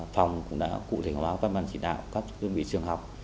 phòng cũng đã cụ thể hóa phát bằng chỉ đạo các đơn vị trường học